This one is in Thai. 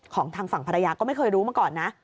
ทางฝั่งภรรยาก็ไม่เคยรู้มาก่อนนะ